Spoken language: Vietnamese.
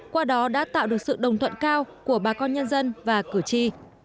qua đó đã tạo được sự đồng thuận cao của bà con nhân dân và cử tri